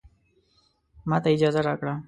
ماته اجازه راکړه